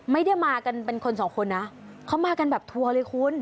ไม่ได้มากันเป็นคนสองคนนะเขามากันแบบทัวร์เลยคุณ